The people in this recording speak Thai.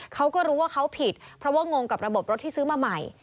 เขาก็รู้ว่าเขาผิดเพราะว่างงกับระบบรถที่ซื้อมาใหม่